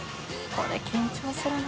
これ緊張するな。